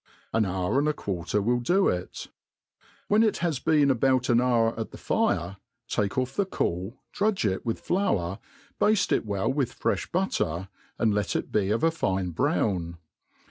An hour and a quarter. will do it. When it has been about an hour at the fire, take off the caul, drudge it with flour, bafte it well with frefb butter, and let it be of a fine brown.